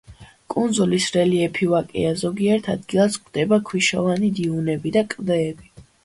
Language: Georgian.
კუნძულის რელიეფი ვაკეა, ზოგიერთ ადგილას გვხვდება ქვიშოვანი დიუნები და კლდეები.